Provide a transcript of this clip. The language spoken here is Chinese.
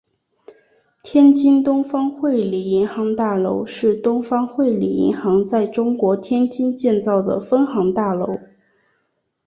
天津东方汇理银行大楼是东方汇理银行在中国天津建造的分行大楼。